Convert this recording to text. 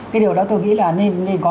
cái điều đó tôi nghĩ là nên có